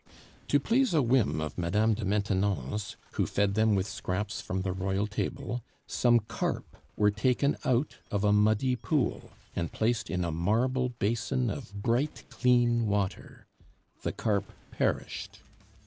To please a whim of Madame de Maintenon's, who fed them with scraps from the royal table, some carp were taken out of a muddy pool and placed in a marble basin of bright, clean water. The carp perished.